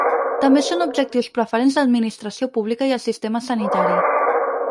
També són objectius preferents l’administració pública i el sistema sanitari.